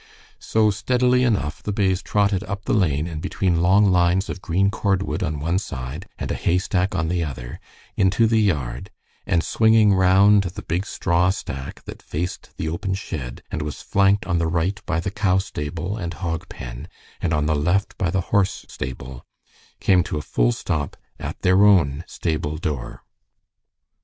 So steadily enough the bays trotted up the lane and between long lines of green cordwood on one side and a hay stack on the other, into the yard, and swinging round the big straw stack that faced the open shed, and was flanked on the right by the cow stable and hog pen, and on the left by the horse stable, came to a full stop at their own stable door.